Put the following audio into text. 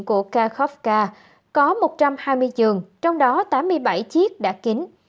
bộ kharkovka có một trăm hai mươi giường trong đó tám mươi bảy chiếc đã kín